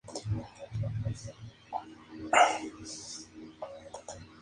En el centro de cada rosca se pone una uva pasa.